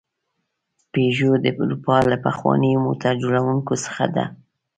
پيژو د اروپا له پخوانیو موټر جوړونکو څخه ده.